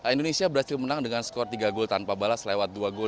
indonesia berhasil menang dengan skor tiga gol tanpa balas lewat dua gol